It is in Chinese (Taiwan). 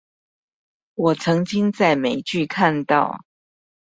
我曾經在美劇看到